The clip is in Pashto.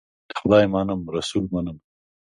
خدای منم ، رسول منم .